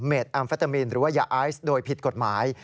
แอมเฟตามีนหรือว่ายาไอซ์โดยผิดกฎหมาย